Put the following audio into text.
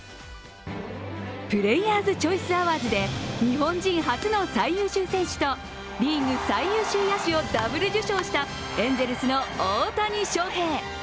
プレーヤーズ・チョイス・アワーズで日本人初の最優秀選手とリーグ最優秀野手をダブル受賞したエンゼルスの大谷翔平。